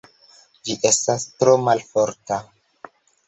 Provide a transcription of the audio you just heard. Ĝi estas tro malforta.